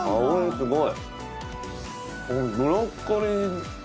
すごい。